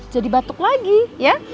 jadi batuk lagi ya